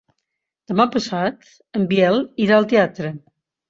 Demà passat en Biel irà al teatre.